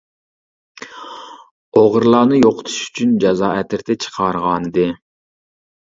«ئوغرىلارنى يوقىتىش ئۈچۈن جازا ئەترىتى» چىقارغانىدى.